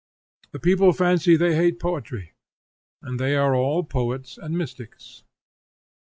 The people fancy they hate poetry, and they are all poets and mystics!